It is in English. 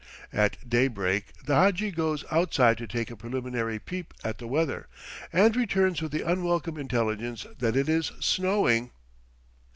At daybreak the hadji goes outside to take a preliminary peep at the weather, and returns with the unwelcome intelligence that it is snowing.